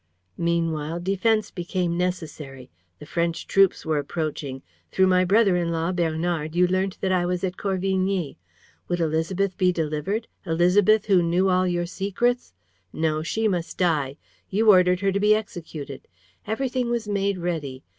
. Meanwhile, defense became necessary. The French troops were approaching. Through my brother in law, Bernard, you learnt that I was at Corvigny. Would Élisabeth be delivered, Élisabeth who knew all your secrets? No, she must die. You ordered her to be executed. Everything was made ready.